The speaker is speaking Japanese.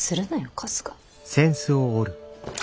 春日。